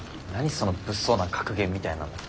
その物騒な格言みたいなの。